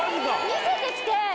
見せてきて。